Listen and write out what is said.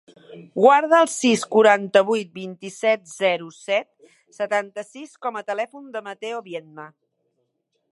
Guarda el sis, quaranta-vuit, vint-i-set, zero, set, setanta-sis com a telèfon del Matteo Viedma.